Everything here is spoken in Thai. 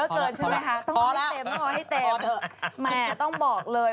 สวัสดีค่าข้าวใส่ไข่